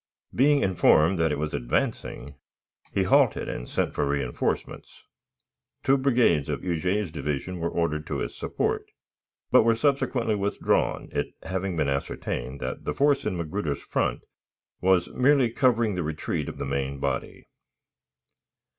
Being informed that it was advancing, he halted and sent for reënforcements. Two brigades of Huger's division were ordered to his support, but were subsequently withdrawn, it having been ascertained that the force in Magruder's front was merely covering the retreat of the main body.